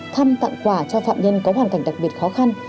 thăm tặng quà cho phạm nhân có hoàn cảnh đặc biệt khó khăn